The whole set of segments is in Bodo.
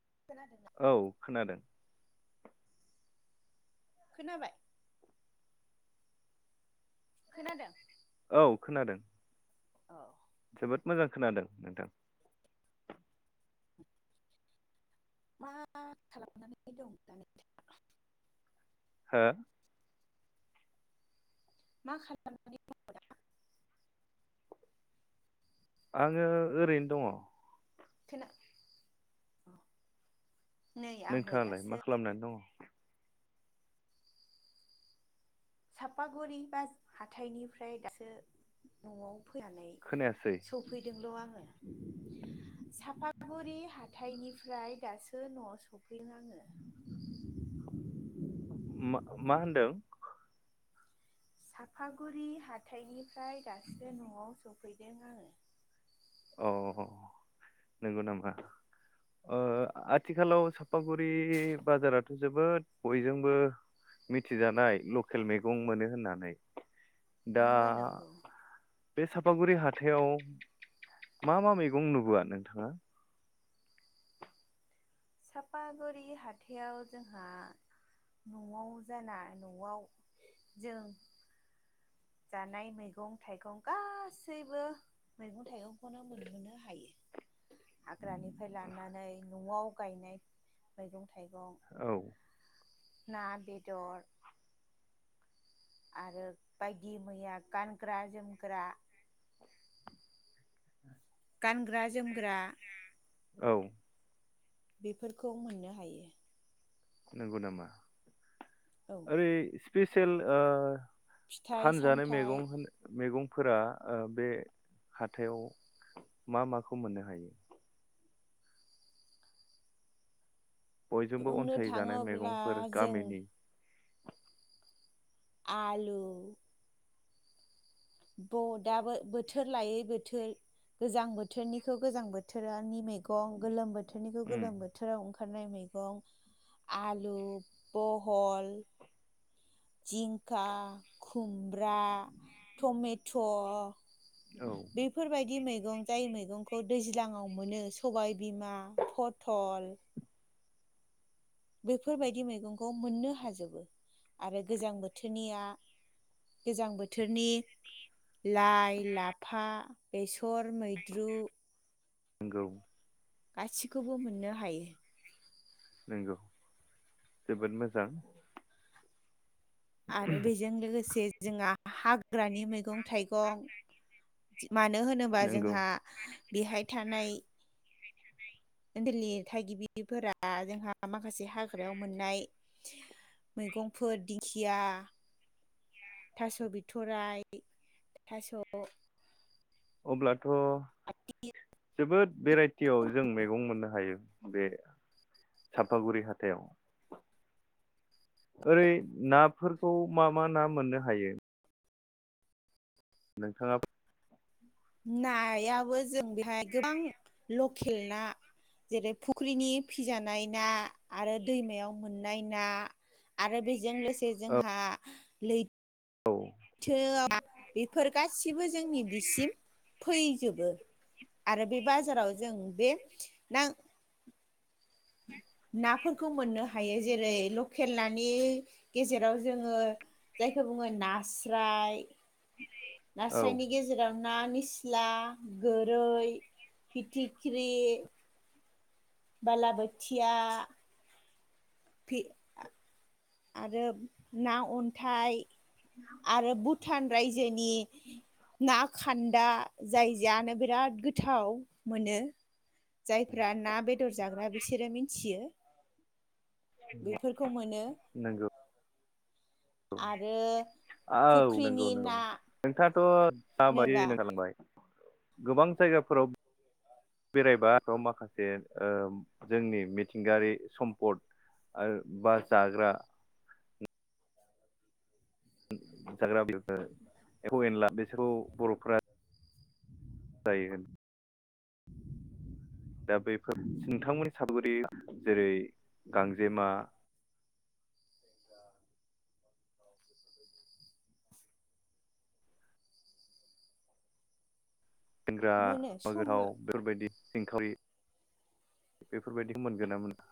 [unintelligible] औ खोनादों। खोनाबाय? खोनादों औ खोनादों। औ जोबोद मोजां खोनादों नोंथां मा खालामनानै दं दानि? हो मा खालामनानै दं दा? आङो ओरैनो दङ। थना नोंथाङालाय मा खालामनानै दङ? सापागुरि बा हाथाइनिफ्राय दासो नआव फैनानै खोनायासै सफैदोंल आङो साफागुरि हा हाथायनिफ्राय दासो नआव सफैलाङो मा मा होनदों? साफागुरि हाथाइनि ओमफ्राय दासो नआव सौफै बेनो अ नंगौ नामा आथिखालाव सापागुरि बाजाराथ जोबोद बयजोंबो मिथिजानाय लकेल मैगं मोनो होननानै दा नोङो नंगौ बे सापागुरि हाथायाव मा मा मैगं नुबोआ नोंथाङा? साफागुरि हाथायाव जोंहा नआव जाना नआव जों जानाय मैगं थाइगं गासैबो मैगं थाइगंखौनो मोनहोनो हायो हाग्रानिफ्राय लानानै नआव गायनाय मैगं थाइगं औ ना बेदर आरो बायदि मैया गानग्रा जोमग्रा गानग्रा जोमग्रा औ बेफोरखौ मोननो हायो। नंगौ नामा? औ ओरै स्पेसियेल ओ फिथाइ फानजानो सामथाइ मेगं होन मेगं फोरा ओ बे हाथायाव मा माखौ मोननो हायो? बयजोंबो बुंनो अनसायजानाय थाङोब्ला मेगंफोर जों गामिनि आलु ब दाबो बोथोर लायै बोथोर गोजां बोथोरनिखौ गोजां बोथोरानि मैगं गोलोम बो थोरनिखौ उम गोलोम बोथोराव ओं खारनाय मैगं आलु बहल जिंखा खुमब्रा टमेट' औ बेफोरबायदि मै गं जाय मैगंखौ दैज्लांआव मोनो सबाय बिमा फथल बेैफोरबायदि मैगंखौ मोननो हाजोबो आरो गोजां बोथोरनिया गोजां बोथोरनि लाइ लाफा बेसर मैद्रु नोंगौ गासिखौबो मोननो हायो। नंगौ जोबोद मोजां। आरो बेजों लोगोसे जोंहा हाग्रानि मैगं थाइगं मानो होनोबा नंगौ जोंहा बेहाय थानाय ओनथोलनि थागिबिफोरा जोंहा माखासे हाग्रायाव मोननाय मैगंफोर दिंखिया थास बिथराइ थास अब्ला थ जोबोद भेराइटियाव जों मेगं मोननो हायो बे साफागुरि हाथायाव ओरै नाफोरखौ मा मा ना मोननो हायो? नोंथाङा नायाबो जों बेहाय गोबां लकेल ना जेरै फुख्रिनि फिजानाय ना आरो दैमायाव मोननाय ना आरो बे जों लोगोसे जोंहा लै औ थो आ बेफोर गासिबो जोंनि बिसिम फैजोबो आरो बे बाजाराव जों बे ना नाफोरखौ मोननो हायो जेरै लकेल नानि गेजेराव जोङो जायखौ बुङो नास्राय औ नास्रायनि गेजेराव ना निसला गोरै फिथिख्रि बाला बोथिया फि आरो ना अन्थाइ आरो भुटान रायजो जोनि ना खान्दा जाय जानो बिराद गोथाव मोनो। जायफ्रा ना बेदर जाग्रा बिसोरो मिथियो। बेफोरखौ मोनो। नंगौ आरो फुख्रिनि ना थ होनोबा [unintelligible] गोबां जायगाफोराव बेरायबा आरोबाव माखासे ओ जोंनि मिथिंगायारि सम्पद ओ बा जाग्रा जाग्रा [unintelligible] एमफौ एनला बिसोरखौ बरफ्रा जायो। दा बैफोर नोंथांमोननि साबगुरि जेरै गांजेमा [inaudible] सेंग्रा, मोनो गुमा सम गोथाव बेफोरबायदि। सिंखावरि बेफोरबायदिखौ मोनगोन ना मोना?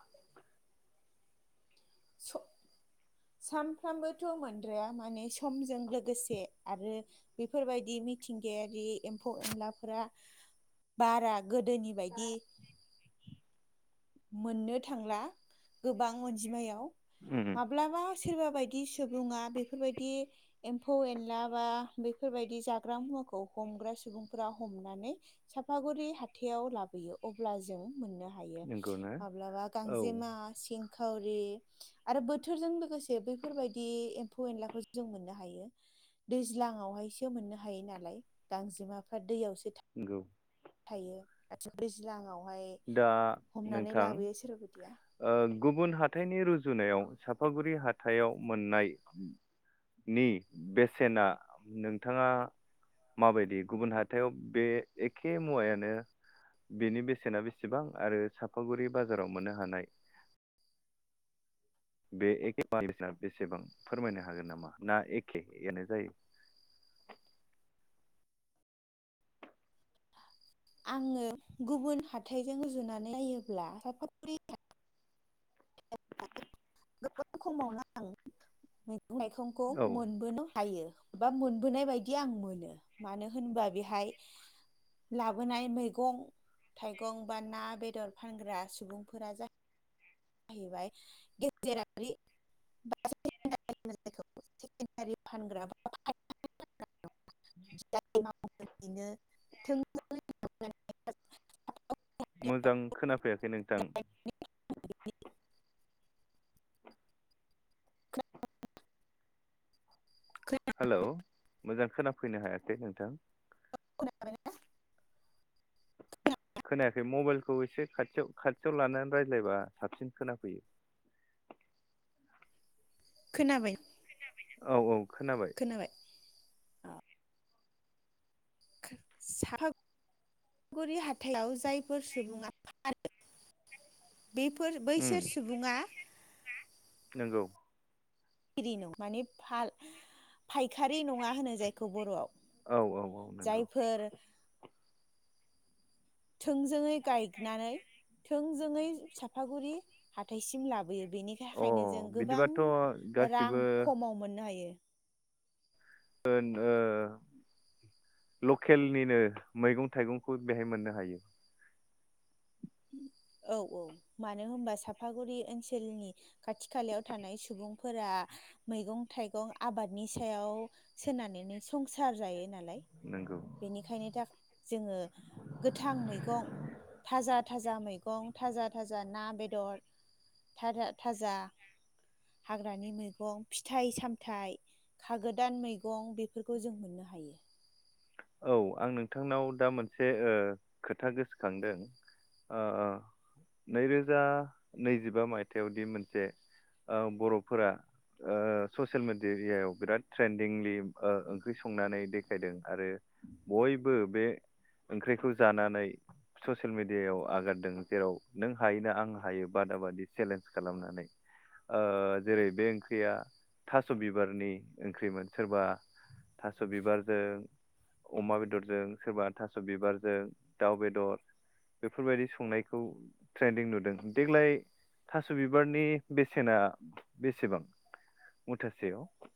स सानफ्रामबोथ मोनद्राया माने समजों लोगोसे आरो बेफोरबायदि मिथिंगायारि एम्फौ एनलाफोरा बारा गोदोनि बायदि मोननो थांला गोबां अनजिमायाव उम माब्लाबा सोरबा बायदि सुबुङा बेफोरबायदि एम्फौ एनला बा बेफोरबायदि जाग्रा मुवाखौ हमग्रा सुबुंफोरा हमनानै साफागुरि हाथायाव लाबोयो अब्ला जों मोननो हायो। नंगौ ना माब्लाबा औ गांजेमा, सिं खावरि आरो बोथोरजों लोगोसे बैफोरबायदि एम्फौ एनलाखौ जों मोननो हायो। दैज्लांवहायसो मोननो हायो नालाय। गांजेमाफ्रा दैयावसो नंगौ। थायो [unintelligible] दैज्लाङाव दा हमनानै नोंथां लाबोयो सोरबा बायदिया ओ गुबुन हाथाइनि रुजुनायाव साफागुरि हाथाइयाव मोननायनि बेसेना नोंथाङा माबायदि गुबुन हाथाइाव बे एखे मुवायानो बेनि बेसेना बेसेबां आरो साफागुरि बाजाराव मोननो हानाय बे एखे [unintelligible] ना बेसेबां फोरमायनो हागोन नामा? ना एखेआनो जायो। आङो गुबुन हाथाइजों रुजुनानै नायोब्ला साफागुरि हा गोबां खमावनो आं मो माइखंखौ औ मोनबोनो हायो बा मोनबोनाय बायदि आं मोनो मानो होनबा बेहाय लाबोनाय मैगं थाइगं बा ना, बेदर फानग्रा सुबुंफोरा जा जाहैबाय गेजेरारि [unintelligible] फानग्रा [unintelligible] मोजां खोनाफैयाखै। नोंथां हेलौ मोजां खोनाफैनो हायाखै नोंथां खोनाबाय खोनायाखै मबाइलखौ एसे खाथियाव-खाथियाव लानानै रायज्लायबा साबसिन खोनाफैयो। खोनाबाय? औ औ। खोनाबाय औ। साफागुरि हाथायाव जायफोर सुबुङा फानो बेफोर बैसोर उम सुबुङा नंगौ गिरि नङा माने फाल-फायखारि नङा होनो जायखौ बरआव। औ औ औ नंगौ। जायफोर थोंजोङै गायनानै थोंजोङै साफागुरि हाथाइसिम लाबोयो। बेनि अ थाखायनो जों गोबां बिदिबाथ' गासिबो रां खमाव मोननो हायो। ओ लकेलनिनो मैगं थाइगंखौ बेहाय मोननो हायो। औ औ मानो होमबा साफागुरि ओनसोलनि खाथि खालायाव थानाय सुबुंफोरा मैगं थाइगं आबादनि सायाव सोनानै संसार जायो नालाय। नंगौ बिनिखायनो जोङो गोथां मैंगं थाजा। थाजा मैगं थाजा थाजा ना बेदर थारा थाजा हाग्रानि मैगं फिथाइ सामथाइ खागोदान मैगं बेफोरखौ जों मोननो हायो। औ आं नोंथांनाव दा मोनसे खोथा गोसोखांदों नैरोजा नैजिबा मायथाइयावदि मोनसे बर'फोरा ससियेल मेडियाव बिराद ट्रेन्दिंलि ओंख्रि संनानै देखायदों आरो। बयबो बे ओंख्रिखौ जानानै ससियेल मिडियायाव आगारदों जेराव नों हाय ना आं हायो बादा बादि चेलेन्ज खालामनानै जेरै बे ओंख्रिया थास बिबारनि ओंख्रिमोन सोरबा थास बिबारजों। अमा बेदरजों सोरबा थास बिबारजों दाउ बेदर बेफोरबायदि संनायखौ ट्रेन्दिं नुदों देग्लाय थास बिबारनि बेसेना बेसेबां मुथासेयाव?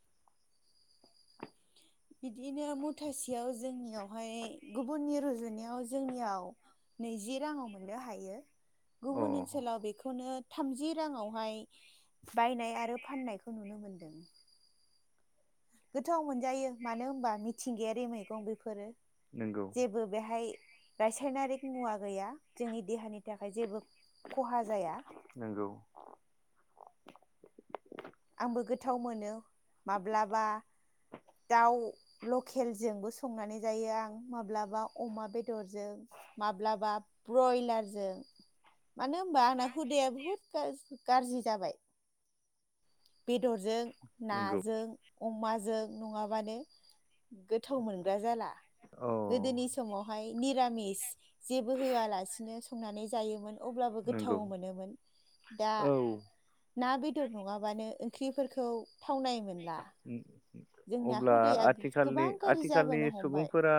बिदिनो मुथासेयाव जोंनियावहाय गुबुननि रुजुनायाव जोंनियाव नैजि राङाव मोननो हायो। अ गुबुन ओनसोलाव बेखौनो। थामजि राङावहाय बायनाय आरो फाननायखौ नुनो मोनदों। गोथाव मोनजायो मानो होनबा मिथिंगायारि मैगं बेफोरो। नंगौ जेबो बेहाय रासायनारिक मुवा गैया जोंनि देहानि नि थाखाय जेबो खहा जाया। नंगौ आंबो गोथाव मोनो माब्लाबा दाउ लकेलजोंबो संनानै जायो आं माब्लाबा अमा बेदरजों माब्लाबा ब्रयलारजों मानो होनबा आंना हुदाया बुहुद गाज्रि गाज्रि जाबाय। बिद बेदरजों नंगौ नाजों। अमाजों नङाबानो गोथ गोथाव मोनग्रा जाला औ गोदोनि समावहाय। मिरामिस जेबो होआलासिनो संनानै जायोमोन। अब्लाबो नंगौ गोथाव मोनोमोन दा। औ ना बेदर नङा बानो ओंख्रिफोरखौ। थावनाय मोनला। जोंना अब्ला हुदाया आथिखालनि गोबां गाज्रि आथिखालनि जाबोनो हमबाय सुबुंफोरा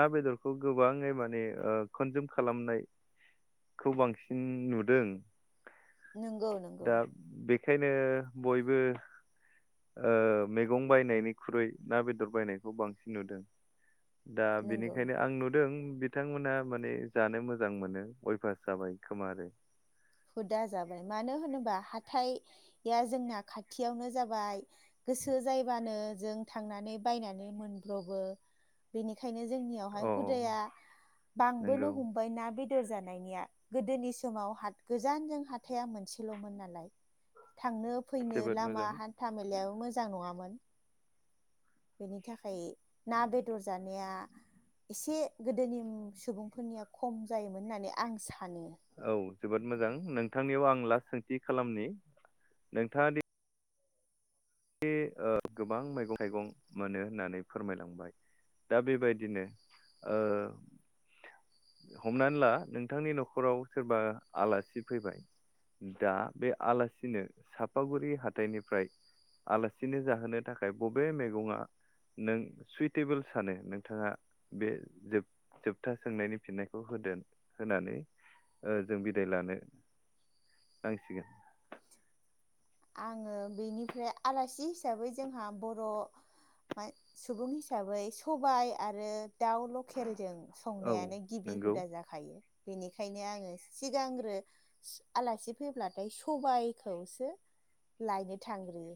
ना बेदरखौ गोबाङै। माने ओ कनजुम खालामनायखौ बांसिन नुदों‌। नोंगौ नोंगौ। बेखायनो बयबो। ओ मैगं बायनायनिख्रुइ ना बेदर बायनायखौ बांसिन नुदों। दा नंगौ बेनिखायनो आं नुदों। बिथांमोनहा माने जानो मोजां मोनो अयभास जाबाय खोमा आरो। हुदा जाबाय मानो होनोबा हाथाइआ जोंना खाथियावनो जाबाय गोसो जायोबानो जों थांनानै बायनानै मोनब्रबो बेनिखाय बेनिखायनो जोंनियावहाय औ हुदाया नंगौ बांबोनो हमबाय ना बेद बेदर जानायनिया गोदोनि समाव हा गोजानजों हाथाइआ मोनसेलमोन नालाय। थांनो फैनो जोबोद लामा मोजां हान्था मेलायाबो मोजां नङामोन। बेनि थाखाय ना बेदर जानाया एसे गोदोनि सुबुंफोरनिया खम जायोमोन होननानै आं सानो। औ जोबोद मोजां नोंथांनियाव आं लास सोंथि खालामनि नोंथाङा दि बे ओ गोबां मैगं थाइगं मोनो होननानै फोरमायलांबाय दा बेबायदिनो ओ हमनानै ला नोंथांनि नखराव सोरबा आलासि फैबाय दा बे आलासिनो सापागुरि हाथाइनिफ्राय आलासिनो जाहोनो थाखाय बबे मैगङा नों सुइटेबोल सानो नोंथाङा बे जोब जोबथा सोंनायनि फिननायखौ होदो होनानै ओ जों बिदाय लानो नांसिगोन। आङो बेनिफ्राय आलासि हिसाबै जोंहा बर' सुबुं हिसाबै सबाय आरो। दाउ लकेलजों औ संनायानो गिबि नंगौ हुदा जाखायो। बेनिखायनो आङो सिगांग्रो आलासि फैब्लाथाय सबायखौसो लायनो थांग्रोयो।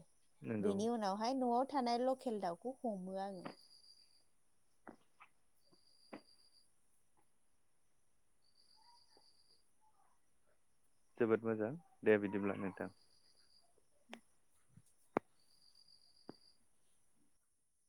नंगौ बेनि उनावहाय न'आव थानाय लकेल दाउखौ हमो आङो। जोबोद मोजां दे बिदिब्ला नोंथां।